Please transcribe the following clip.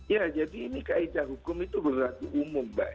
ya jadi ini kaedah hukum itu berlaku umum mbak